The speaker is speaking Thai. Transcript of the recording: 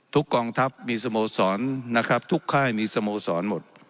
กองทัพมีสโมสรนะครับทุกค่ายมีสโมสรหมด